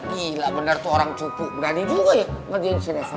gila bener tuh orang cukup berani juga ya ngerjain si reva